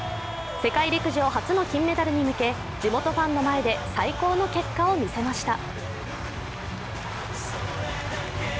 世界陸上初の金メダルに向け、地元ファンの前で最高の結果を見せました。